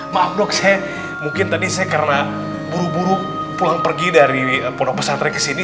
maaf dok saya mungkin tadi saya karena buru buru pulang pergi dari pondok pesantren ke sini